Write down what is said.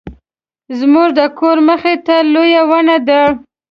زموږ د کور مخې ته لویه ونه ده